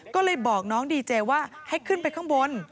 ก็เลยบอกน้องดีเจว่าให้ขึ้นไปข้างบน